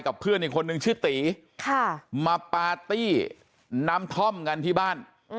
กับเพื่อนหนึ่งคนหนึ่งชื่อตายมาพาตี้น้ำท่อมกันที่บ้าน